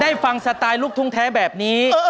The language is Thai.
ฟังสไตล์ลูกทุ่งแท้แบบนี้